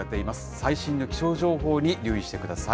最新の気象情報に留意してください。